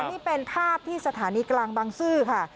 นี่เป็นภาพที่สถานีกลางบางซื่อค่ะ